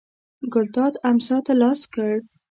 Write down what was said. ګلداد امسا ته لاس کړ.